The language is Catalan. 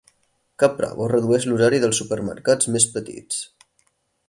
Caprabo redueix l'horari dels supermercats més petits